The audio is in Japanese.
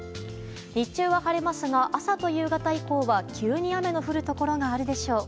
日中は晴れますが朝と夕方以降は急に雨の降るところがあるでしょう。